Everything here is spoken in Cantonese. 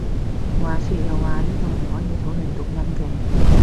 話說又話呢度唔可以討論讀音嘅？